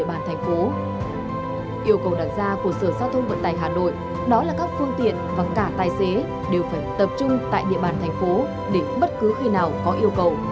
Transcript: để bất cứ khi nào có yêu cầu sẽ đáp ứng được ngay